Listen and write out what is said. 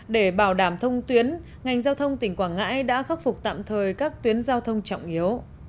để bảo đảm thông tuyến ngành giao thông tỉnh quảng ngãi đã khắc phục tạm thời các tuyến giao thông trọng yếu